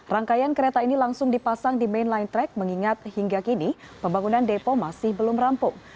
rangkaian kereta ini langsung dipasang di main line track mengingat hingga kini pembangunan depo masih belum rampung